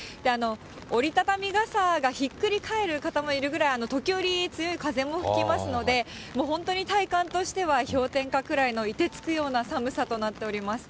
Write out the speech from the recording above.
折り畳み傘がひっくり返る方もいるぐらい、時折、強い風も吹きますので、もう本当に体感としては、氷点下くらいのいてつくような寒さとなっております。